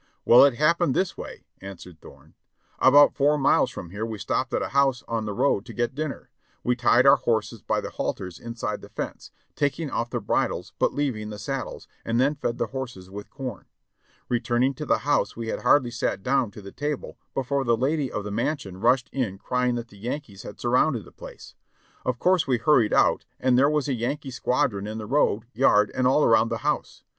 "Well, it happened this way," aswered Thorne. "About four miles from here we stopped at a house on the road to get dinner. We tied our horses by the halters inside the fence, taking off the bridles but leaving the saddles, and then fed the horses with corn. Returning to the house we had hardly sat down to the table be fore the lady of the mansion rushed in crying that the Yankees had surrounded the place. Of course we hurried out, and there was a Yankee squadron in the road, yard, and all around the house.